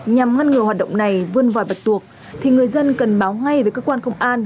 nhằm ngăn ngừa hoạt động này vươn vòi vật tuộc thì người dân cần báo ngay với cơ quan công an